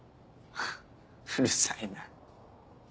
うるさいな。